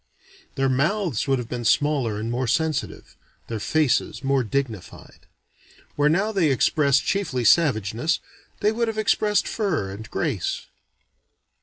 Their mouths would have been smaller and more sensitive: their faces most dignified. Where now they express chiefly savageness, they would have expressed fire and grace.